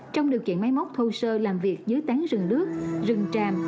trong điều kiện máy móc thô sơ làm việc dưới tán rừng nước rừng tràm